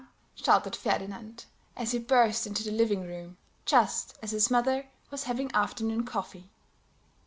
shouted Ferdinand, as he burst into the living room, just as his mother was having afternoon coffee.